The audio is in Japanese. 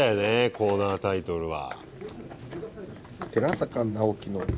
コーナータイトルは。